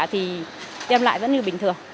thì đem lại vẫn như bình thường